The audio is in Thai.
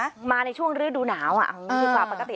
คือมาในช่วงฤดูหนาวคือความปกติ